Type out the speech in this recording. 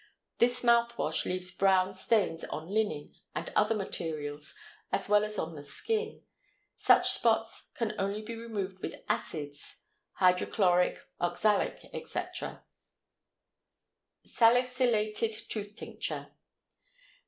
This mouth wash leaves brown stains on linen and other materials as well as on the skin; such spots can only be removed with acids (hydrochloric, oxalic, etc.). SALICYLATED TOOTH TINCTURE.